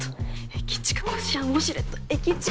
駅近こしあんウォシュレット駅近。